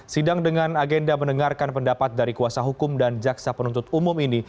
sidang dengan agenda mendengarkan pendapat dari kuasa hukum dan jaksa penuntut umum ini